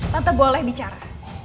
tante boleh bicara